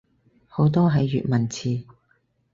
好多係粵文詞